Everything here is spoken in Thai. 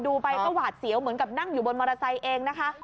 ดูไปก็หวาดเสียวเหมือนกับนั่งอยู่บนมอเตอร์ไซค์เองนะคะ